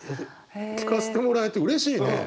聞かせてもらえてうれしいね。